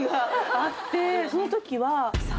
あってその時は。